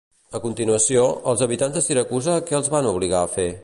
A continuació, els habitants de Siracusa què els van obligar a fer?